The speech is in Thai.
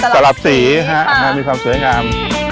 สำหรับสีมีความสวยงาม